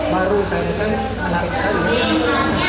baru saya menarik sekali